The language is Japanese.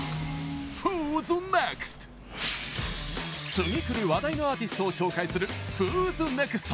次くる話題のアーティストを紹介する「ＷＨＯ’ＳＮＥＸＴ！」。